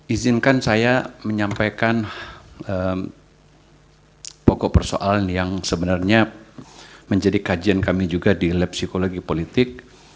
izinkan saya menyampaikan pokok persoalan yang sebenarnya menjadi kajian kami juga di lab psikologi politik